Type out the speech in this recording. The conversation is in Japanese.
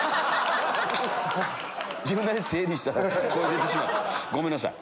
自分なりに整理したら声出てしまったごめんなさい。